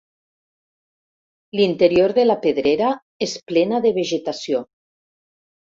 L'interior de la pedrera és plena de vegetació.